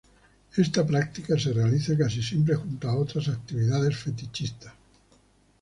Esta práctica se realiza casi siempre junto a otras actividades fetichistas.